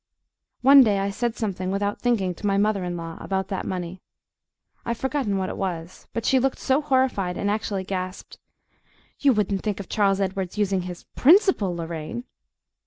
One day I said something, without thinking, to my mother in law about that money; I've forgotten what it was, but she looked so horrified and actually gasped: "You wouldn't think of Charles Edward's using his PRINCIPAL, Lorraine?"